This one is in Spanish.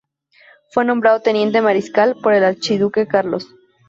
Fue nombrado teniente mariscal por el archiduque Carlos.